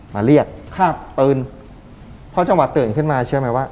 มาเรียกครับตื่นเพราะจังหวะตื่นขึ้นมาเชื่อไหมว่า